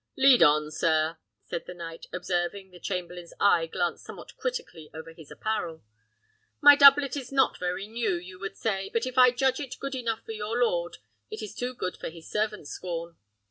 "Lead on, sir!" said the knight, observing the chamberlain's eye glance somewhat critically over his apparel. "My doublet is not very new, you would say; but if I judge it good enough for your lord, it is too good for his servant's scorn."